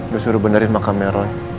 gue suruh benerin makamnya roy